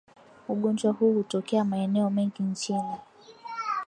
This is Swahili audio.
Ugonjwa huu hutokea maeneo mengi nchini